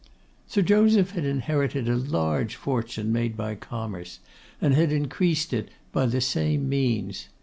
Sir Joseph had inherited a large fortune made by commerce, and had increased it by the same means.